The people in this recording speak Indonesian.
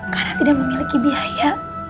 karena tidak memiliki biaya